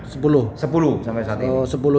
sepuluh sampai saat ini